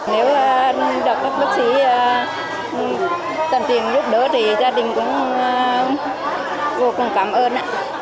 nếu được các bác sĩ cần tiền giúp đỡ thì gia đình cũng vô cùng cảm ơn